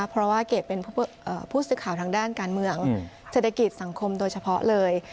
เพราะว่าเกดเป็นผู้สื่อข่าวทางด้านการเมืองเศรษฐกิจสังคมโดยเฉพาะเลย